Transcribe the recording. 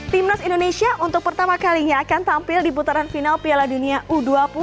timnas indonesia untuk pertama kalinya akan tampil di putaran final piala dunia u dua puluh